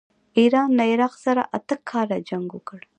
ایران له عراق سره اته کاله جنګ وکړ.